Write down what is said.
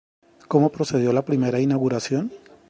¿Cómo procedió la primera inauguración?